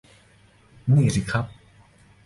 นี่สิครับ